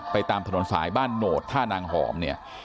ตามถนนสายบ้านโหนดท่านางหอมเนี่ย